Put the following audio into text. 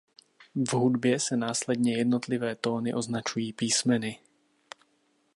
V hudbě se následně jednotlivé tóny označují písmeny.